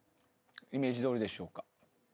イメージどおりでしょうか？